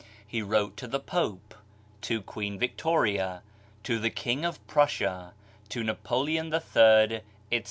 He wrote to the Pope, to Queen Victoria, to the King of Prussia, to Napoleon TIL, etc.